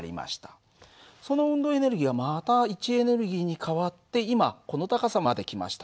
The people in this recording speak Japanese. その運動エネルギーはまた位置エネルギーに変わって今この高さまで来ました。